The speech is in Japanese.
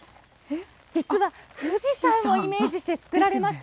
実は富士山をイメージして作られました。